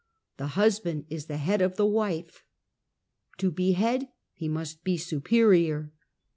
" The husband is the head of the wife." To be head, he must be superior.